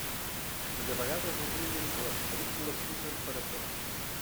I de vegades obliden que les pel·lícules s'usen per a tot.